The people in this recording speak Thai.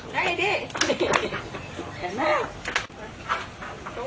กินเถอะมาไม่อ่ะนอน